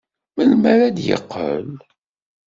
Melmi ara d-yeqqel?